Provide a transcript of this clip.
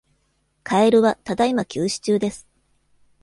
蛙は「只今休止中」です。